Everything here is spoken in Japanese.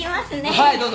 はいどうぞ。